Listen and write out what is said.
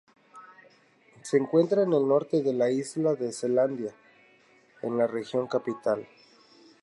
Se encuentra en el norte de la isla de Selandia, en la Región Capital.